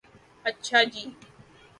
اچھا جی